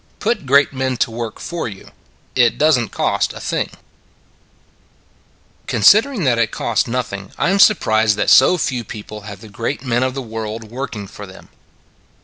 PUT GREAT MEN TO WORK FOR YOU: IT DOESN T COST ANYTHING CONSIDERING that it costs nothing, I am surprised that so few people have the great men of the world working for them.